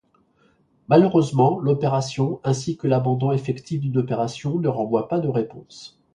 Malheureusement, l'opération ainsi que l'abandon effectif d'une opération ne renvoient pas de réponse.